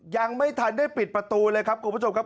ยังไม่ทันได้ปิดประตูเลยครับคุณผู้ชมครับ